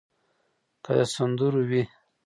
که د سندرو وي.